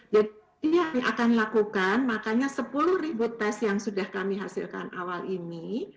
jadi yang akan dilakukan makanya sepuluh ribut tes yang sudah kami hasilkan awal ini